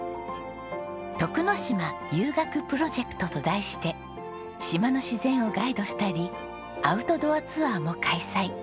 「徳之島遊学ＰＲＯＪＥＣＴ」と題して島の自然をガイドしたりアウトドアツアーも開催。